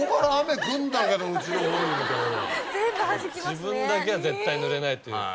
自分だけは絶対ぬれないという。